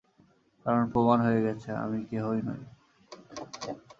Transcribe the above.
কারণ, প্রমাণ হইয়া গেছে, আমি কেহই নই।